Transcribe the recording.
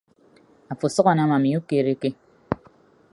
Afo asʌk anam ami ukereke.